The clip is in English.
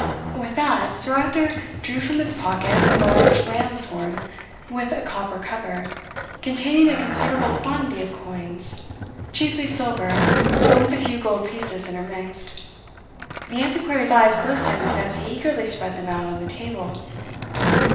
With that, Sir Arthur drew from his pocket a large ram's horn, with a copper cover, containing a considerable quantity of coins, chiefly silver, but with a few gold pieces intermixed. The Antiquary's eyes glistened as he eagerly spread them out on the table.